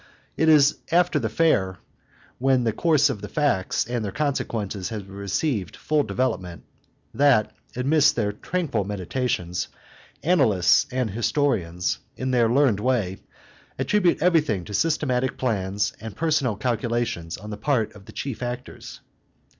It is after the fair, when the course of facts and their consequences has received full development, that, amidst their tranquil meditations, annalists and historians, in their learned way, attribute everything to systematic plans and personal calculations on the part of the chief actors.